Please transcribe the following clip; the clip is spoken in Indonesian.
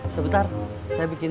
sebentar saya bikinin